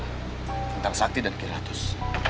tentang sakti dan kiratus